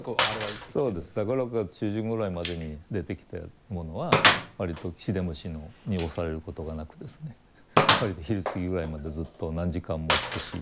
６月中旬ぐらいまでに出てきたものは割とシデムシに汚されることがなく割と昼過ぎぐらいまでずっと何時間も美しい状態でいるんですけど。